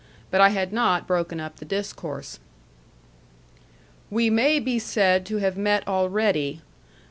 But I had not broken up the discourse. "We may be said to have met already." Dr.